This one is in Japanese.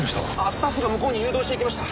スタッフが向こうに誘導していきました。